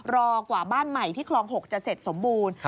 รอกว่าบ้านใหม่ที่คลอง๖จะเสร็จสมบูรณ์